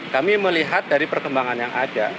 kami melihat dari perkembangan yang ada